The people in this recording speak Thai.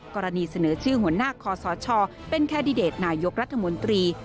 กรณีเสนอชื่อหัวหน้าคอสชเป็นแคนดิเดตนายกรัฐมนตรี